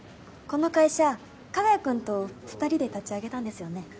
この会社加賀谷君と２人で立ち上げたんですよね？